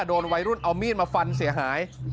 โดนวัยรุ่นเอามีดมาฟันเสียหาย